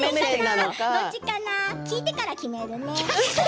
聴いてから決めるね。